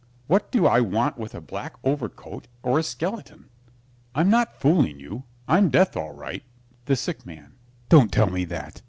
What do I want with a black overcoat or a skeleton? I'm not fooling you. I'm Death, all right. THE SICK MAN Don't tell me that.